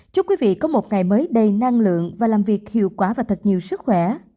chúc quý vị có một ngày mới đầy năng lượng và làm việc hiệu quả và thật nhiều sức khỏe